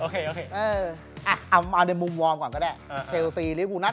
เข้าให้มาในมุมวอร์มไปก่อนก็ได้